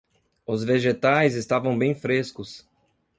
Os vegetais estavam bem frescos